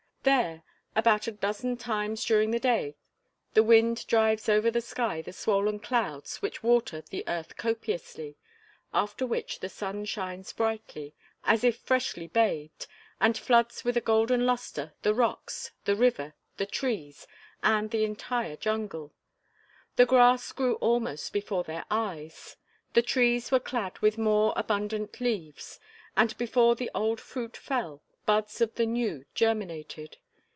There, about a dozen times during the day, the wind drives over the sky the swollen clouds, which water the earth copiously, after which the sun shines brightly, as if freshly bathed, and floods with a golden luster the rocks, the river, the trees, and the entire jungle. The grass grew almost before their eyes. The trees were clad with more abundant leaves, and, before the old fruit fell, buds of the new germinated.